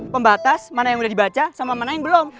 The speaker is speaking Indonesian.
pembatas mana yang sudah dibaca sama mana yang belum